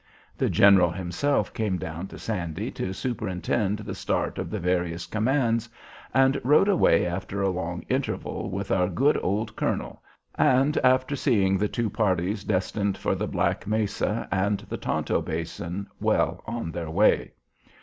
The general himself came down to Sandy to superintend the start of the various commands, and rode away after a long interview with our good old colonel, and after seeing the two parties destined for the Black Mesa and the Tonto Basin well on their way.